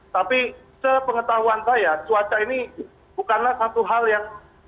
tapi sepengetahuan saya cuaca ini bukanlah satu hal yang